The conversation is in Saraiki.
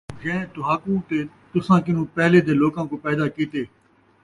جَیں تُہاکوں تے تُساں کنوں پہلے دے لوکاں کوں پَیدا کِیتے،